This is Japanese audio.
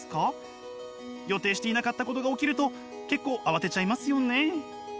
予定していなかったことが起きると結構慌てちゃいますよね。